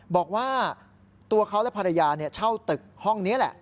บอกว่าตัวเขาและภรรยาเช่าตึกห้องนี้แหละ